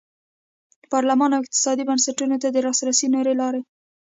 پارلمان او اقتصادي بنسټونو ته د لاسرسي نورې لارې.